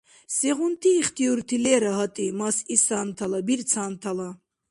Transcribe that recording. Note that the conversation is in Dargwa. Сегъунти ихтиюрти лера, гьатӀи, мас исантала, бирцантала?